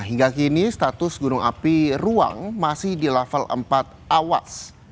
hingga kini status gunung api ruang masih di level empat awas